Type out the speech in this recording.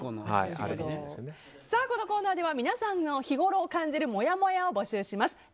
このコーナーでは皆さんの日ごろ感じるもやもやを募集します。